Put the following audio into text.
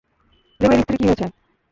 প্রেমের স্ত্রীর কী হয়েছে?